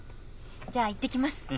じゃあいってきます。